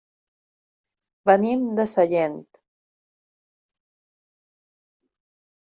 Venim de Sallent.